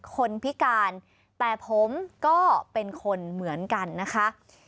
คนพิการแต่ผมก็เป็นคนเหมือนกันนะคะ